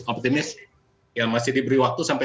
optimis ya masih diberi waktu sampai